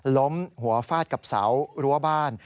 ล้มหัวฟาดกับเสารั้วบ้าน